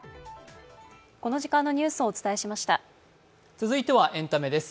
続いてはエンタメです。